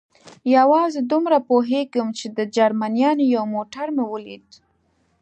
یوازې دومره پوهېږم، چې د جرمنیانو یو موټر مې ولید.